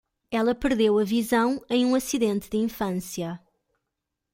Ela perdeu a visão em um acidente de infância.